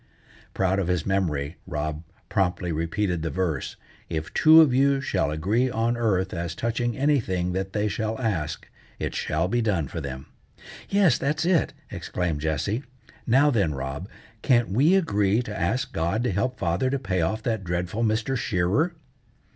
Proud of his memory, Rob promptly repeated the verse: "If two of you shall agree on earth as touching anything that they shall ask, it shall be done for them." "Yes, that's it!" exclaimed Jessie. "Now then, Rob, can't we agree to ask God to help father to pay off that dreadful Mr. Shearer?"